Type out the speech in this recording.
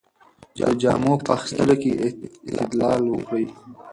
د جامو په اخیستلو کې اعتدال وکړئ.